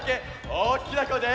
おおきなこえで！